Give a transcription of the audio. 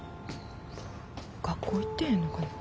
学校行ってへんのかな。